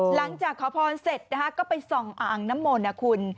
หลังจากขอพรเสร็จก็ไปส่องอังนัมมนคุณ